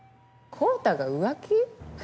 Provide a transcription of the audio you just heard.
昂太が浮気？